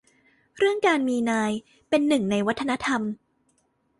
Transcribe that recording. เรื่องการมีนาย จึงเป็นหนึ่งในวัฒนธรรม